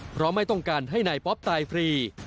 เพราะไม่ต้องการให้นายป๊อปตายฟรี